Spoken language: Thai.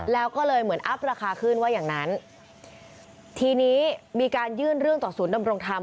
แล้วก็เลยเหมือนอัพราคาขึ้นว่าอย่างนั้นทีนี้มีการยื่นเรื่องต่อศูนย์ดำรงธรรม